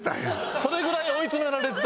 それぐらい追い詰められてた。